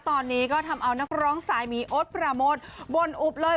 ตอนนี้ก็ทำเอานักร้องสายหมีโอ๊ตปราโมทบนอุบเลย